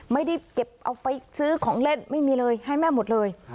ไม่ได้เก็บเอาไปซื้อของเล่นไม่มีเลยให้แม่หมดเลย